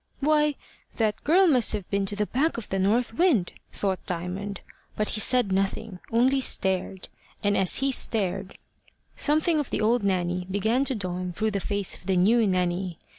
"Why, that girl must have been to the back of the north wind!" thought Diamond, but he said nothing, only stared; and as he stared, something of the old Nanny began to dawn through the face of the new Nanny.